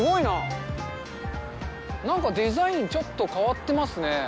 なんかデザインちょっと変わってますね。